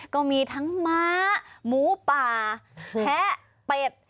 ก็มีทั้งม้าหมูป่าแพะเป็ด